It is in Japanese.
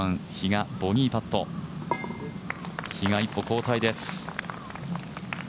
比嘉、１歩後退です。